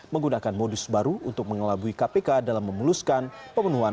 menggunakan modus baru untuk mengelabui kpk dalam memuluskan pemenuhan